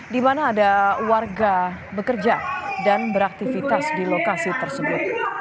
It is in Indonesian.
di mana ada warga bekerja dan beraktivitas di lokasi tersebut